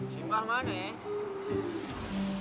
simpah mana ya